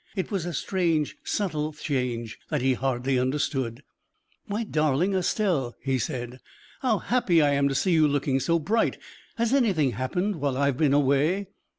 It was a strange, subtle change, that he hardly understood. "My darling Estelle," he said, "how happy I am to see you looking so bright! Has anything happened while I have been away?"